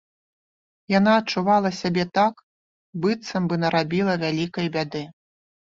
Яна адчувала сябе так, быццам бы нарабіла вялікай бяды.